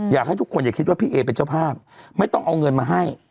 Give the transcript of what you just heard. อยากให้ทุกคนอย่าคิดว่าพี่เอเป็นเจ้าภาพไม่ต้องเอาเงินมาให้